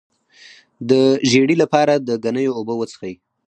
د ژیړي لپاره د ګنیو اوبه وڅښئ